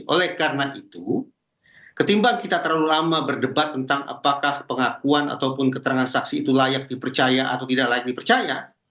oleh karena itu ketimbang kita terlalu lama berdebat tentang apakah pengakuan ataupun keterangan saksi itu layak dipercaya atau tidak layak dipercaya